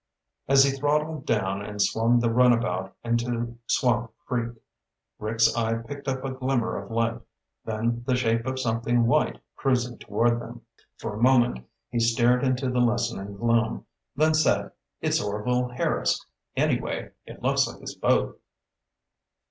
As he throttled down and swung the runabout into Swamp Creek, Rick's eye picked up a glimmer of light, then the shape of something white cruising toward them. For a moment he stared into the lessening gloom, then said, "It's Orvil Harris. Anyway, it looks like his boat."